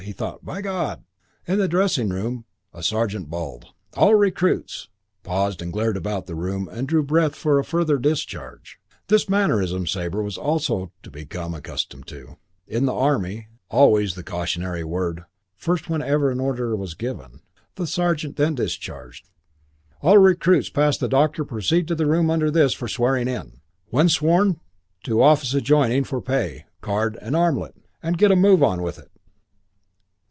He thought, "By God!" In the dressing room a sergeant bawled, "All recruits!" paused and glared about the room and drew breath for further discharge. This mannerism Sabre was also to become accustomed to: in the Army, always "the cautionary word" first when an order was given. The sergeant then discharged: "All recruits past the doctor proceed to the room under this for swearing in. When sworn, to office adjoining for pay, card and armlet. And get a move on with it!"